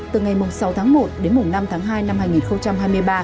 từ ngày sáu tháng một đến năm tháng hai năm hai nghìn hai mươi ba